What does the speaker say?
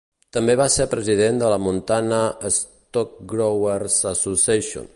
També va ser president de la Montana Stockgrower's Association.